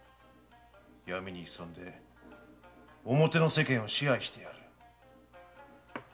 闇に潜んで表の世間を支配してやる。